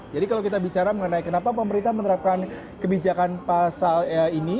jadi kalau kita bicara mengenai kenapa pemerintah menerapkan kebijakan pasal ini